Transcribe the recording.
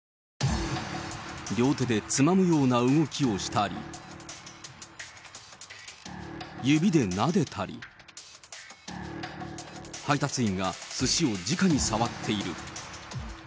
両手でつまむような動きをしたり、指でなでたり、配達員がすしをじかに触っている。